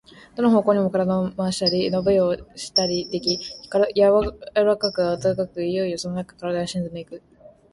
どの方向にも身体を廻したり、のびをしたりでき、柔かく暖かく、いよいよそのなかへ身体が沈んでいく。